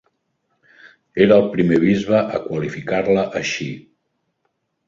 Era el primer bisbe a qualificar-la així.